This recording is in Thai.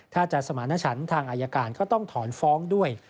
ถ้าจะสมาณฉันทางอายการก็ต้องถอนฟ้องด้วย